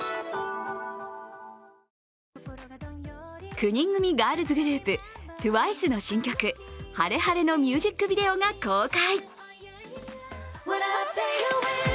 ９人組ガールズグループＴＷＩＣＥの新曲「ＨａｒｅＨａｒｅ」のミュージックビデオが公開。